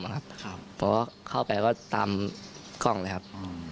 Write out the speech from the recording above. เพราะว่าเข้าไปก็ตามกล้องเลยครับ